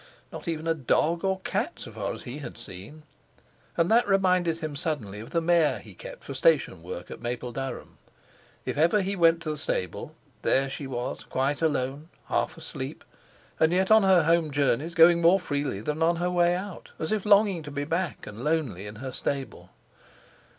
Not even a dog or cat, so far as he had seen. And that reminded him suddenly of the mare he kept for station work at Mapledurham. If ever he went to the stable, there she was quite alone, half asleep, and yet, on her home journeys going more freely than on her way out, as if longing to be back and lonely in her stable!